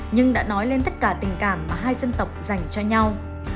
nhưng đã nói lên tất cả tình cảm mà hai dân tộc dành cho nhau